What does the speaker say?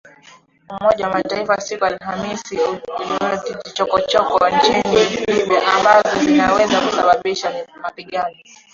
Umoja wa Mataifa siku ya Alhamis ulionya dhidi ya “chokochoko” nchini Libya ambazo zinaweza kusababisha mapigano.